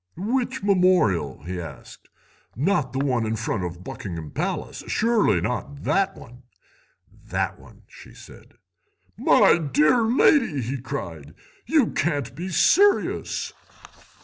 "'Which memorial?' he asked; 'not the one in front of Buckingham Palace? Surely not that one?' "'That one,' she said. "'My dear lady,' he cried, 'you can't be serious.